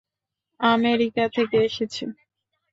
America থেকে এসেছে।